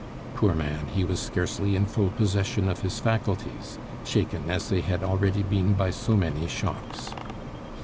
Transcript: Poor man, he was scarcely in full possession of his faculties, shaken as they had already been by so many shocks.